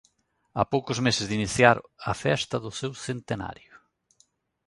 A poucos meses de iniciar a festa do seu centenario.